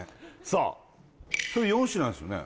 そうそれ４品ですよね